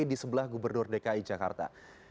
di sebelah gubernur dki jakarta